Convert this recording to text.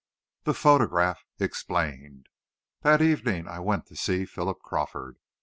THE PHOTOGRAPH EXPLAINED That evening I went to see Philip Crawford.